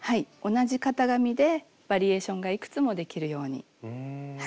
同じ型紙でバリエーションがいくつもできるように考えました。